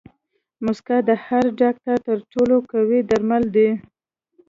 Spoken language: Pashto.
موسکا د هر ډاکټر تر ټولو قوي درمل دي.